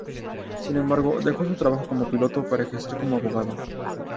Sin embargo, dejó su trabajo como piloto para ejercer como abogado.